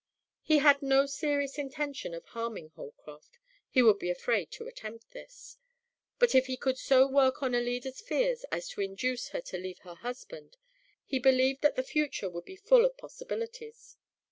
He had no serious intention of harming Holcroft he would be afraid to attempt this but if he could so work on Alida's fears as to induce her to leave her husband, he believed that the future would be full of possibilities.